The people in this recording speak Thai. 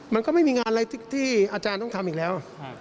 มันก็ไม่มีงานอะไรที่อาจารย์ต้องทำอีกแล้ว